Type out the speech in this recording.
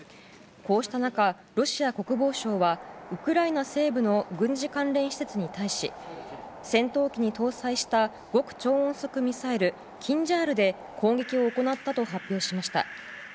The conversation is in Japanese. こうした中、ロシア国防省はウクライナ西部の軍事関連施設に対し戦闘機に搭載した極超音速ミサイル「キンジャール」で攻撃を行ったと発表しました。